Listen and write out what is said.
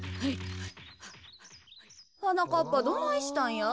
はなかっぱどないしたんや？